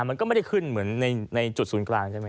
มันก็ไม่ได้ขึ้นเหมือนในจุดศูนย์กลางใช่ไหม